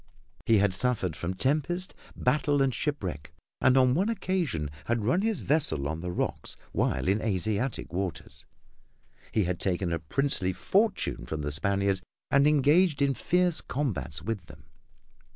He had suffered from tempest, battle and shipwreck, and on one occasion had run his vessel on the rocks while in Asiatic waters. He had taken a princely fortune from the Spaniards and engaged in fierce combats with them.